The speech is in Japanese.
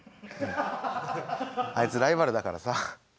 あいつライバルだからさ。